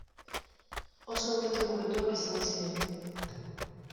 Oso urte mugituak izan ziren.